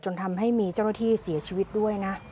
ทำให้มีเจ้าหน้าที่เสียชีวิตด้วยนะ